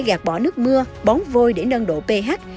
bóng tràn để gạt bỏ nước mưa bón vôi để nâng độ ph